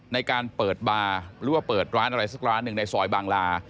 ในการเปิดบาร์หรือว่าเปิดร้านอะไรสักร้านหนึ่งในซอยบางลา